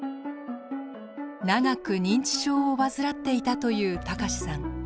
長く認知症を患っていたという孝さん。